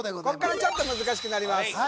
こっからちょっと難しくなります